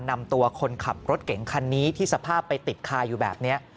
นำตัวคนขับรถเก่งคันนี้ที่สภาพไปติดคาอยู่แบบนี้